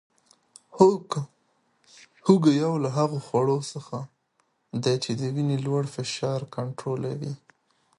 هوګه یو له هغو خوړو څخه دی چې د وینې لوړ فشار کنټرولوي